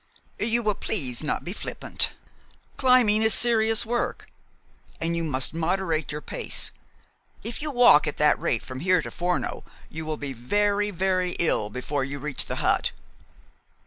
"You will please not be flippant. Climbing is serious work. And you must moderate your pace. If you walk at that rate from here to Forno, you will be very, very ill before you reach the hut."